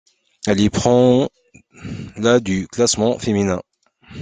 Elle y prend la du classement féminin.